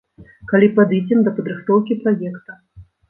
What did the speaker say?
Калі падыдзем да падрыхтоўкі праекта.